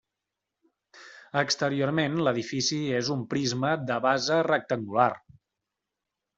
Exteriorment l'edifici és un prisma de base rectangular.